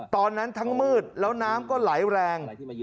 ตอนนั้นทั้งมืดแล้วน้ำก็ไหลแรง